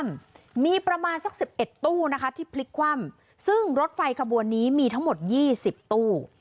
มีประมาณสัก๑๑ตู้นะคะที่พลิกคว่ำซึ่งรถไฟขบวนนี้มีทั้งหมด๒๐ตู้